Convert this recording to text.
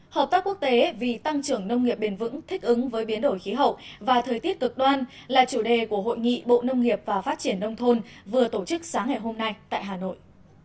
hợp tác quốc tế vì tăng trưởng nông nghiệp bền vững thích ứng với biến đổi khí hậu và thời tiết cực đoan là chủ đề của hội nghị bộ nông nghiệp và phát triển nông thôn vừa tổ chức sáng ngày hôm nay tại hà nội